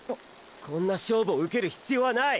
こんな勝負を受ける必要はない！